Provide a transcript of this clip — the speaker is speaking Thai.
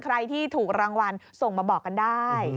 ใครที่ถูกรางวัลส่งมาบอกกันได้